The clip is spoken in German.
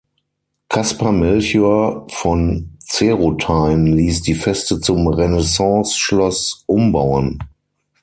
Kaspar Melchior von Zerotein ließ die Feste zum Renaissanceschloss umbauen.